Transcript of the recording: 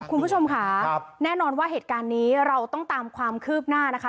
คุณผู้ชมค่ะแน่นอนว่าเหตุการณ์นี้เราต้องตามความคืบหน้านะคะ